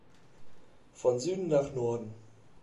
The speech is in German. Von Süden nach Norden.